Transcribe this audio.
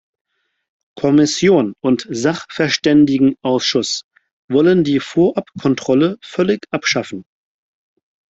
Kommission und Sachverständigenausschuss wollen die Vorabkontrolle völlig abschaffen.